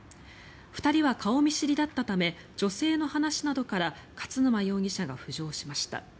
２人は顔見知りだったため女性の話などから勝沼容疑者が浮上しました。